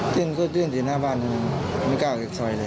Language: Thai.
เพื่อนก็ยื่นอยู่หน้าบ้านไม่กล้าออกจากซอยเลย